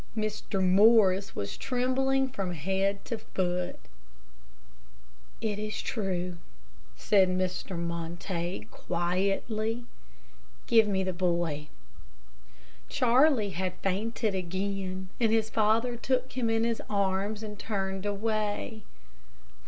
Mr. Morris was trembling from head to foot. "It is true," said Mr. Montague, quietly. "Give me the boy." Charlie had fainted again, and his father took him in his arms, and turned away.